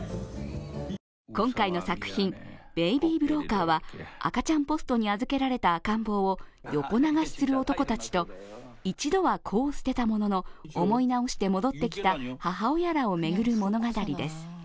今回の作品「ベイビー・ブローカー」は、赤ちゃんポストに預けられた赤ん坊を横流しする男たちと、一度は子を捨てたものの、思い直して戻ってきた母親らを巡る物語です。